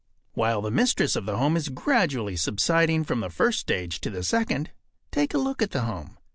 While the mistress of the home is gradually subsiding from the first stage to the second, take a look at the home.